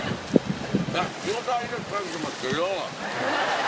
仕事は命懸けてますけど。